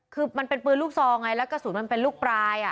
คือมันเป็นปืนลูกซองไงแล้วกระสุนมันเป็นลูกปลาย